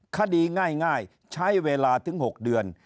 คดีง่ายใช้เวลาถึง๖เดือน